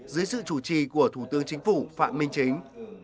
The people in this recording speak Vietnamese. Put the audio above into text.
dưới sự chủ trì của thủ tướng chính phủ phạm minh chính